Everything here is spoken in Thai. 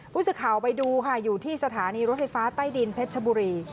ผู้สื่อข่าวไปดูค่ะอยู่ที่สถานีรถไฟฟ้าใต้ดินเพชรชบุรี